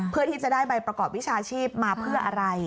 เพื่อที่จะได้ใบประกอบวิชาชีพมาเพื่ออะไร